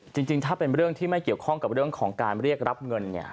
จริงถ้าเป็นเรื่องที่ไม่เกี่ยวข้องกับเรื่องของการเรียกรับเงินเนี่ย